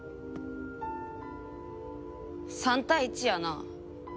３対１やな。